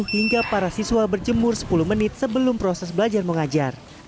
hingga para siswa berjemur sepuluh menit sebelum proses belajar mengajar